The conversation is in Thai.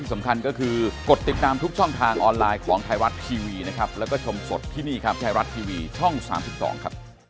ซึ่งมันอาจจะต้องต่อไปต่ออีก